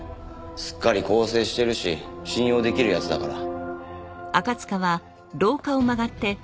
すっかり更生してるし信用できる奴だから。